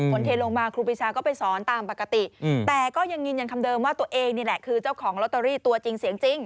เทลงมาครูปีชาก็ไปสอนตามปกติแต่ก็ยังยืนยันคำเดิมว่าตัวเองนี่แหละคือเจ้าของลอตเตอรี่ตัวจริงเสียงจริง